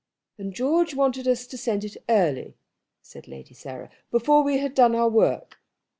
"And George wanted us to send it early," said Lady Sarah, "before we had done our work."